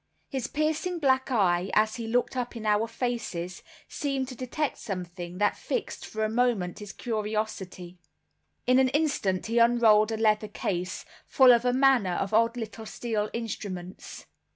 His piercing black eye, as he looked up in our faces, seemed to detect something that fixed for a moment his curiosity, In an instant he unrolled a leather case, full of all manner of odd little steel instruments.